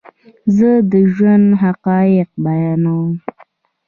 زه دژوند حقایق بیانوم